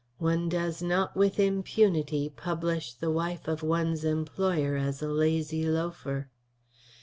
One does not with impunity publish the wife of one's employer as a lazy loafer.